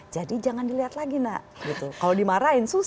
jadi jangan dilihat lagi nak kalau dimarahin soalnya